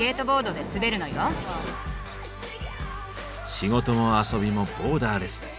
仕事も遊びもボーダーレス。